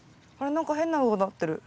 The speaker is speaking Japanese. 何か変なのがなってる。